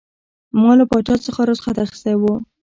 ما له پاچا څخه رخصت اخیستی وو.